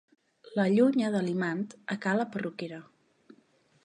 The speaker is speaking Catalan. L'allunya de l'imant a ca la perruquera.